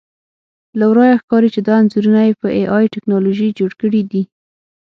له ورایه ښکاري چې دا انځورونه یې په اې ائ ټکنالوژي جوړ کړي دي